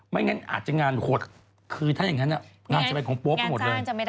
ไม่งั้นอาจจะงานหดคือถ้าอย่างนั้นงานจะเป็นของโป๊ปไปหมดเลย